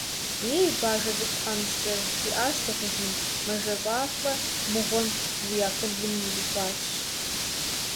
Ей, бажэ цӀыкӀу тхьэмыщкӀэ, – жиӀащ дыгъужьым, – мэжэщӀалӀэ мыгъуэм уи акъылым урихуащ.